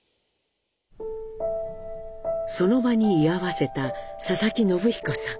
その場に居合わせた佐々木延彦さん。